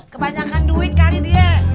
kebanyakan duit kali dia